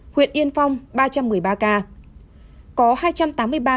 huyện yên phong ba trăm một mươi ba ca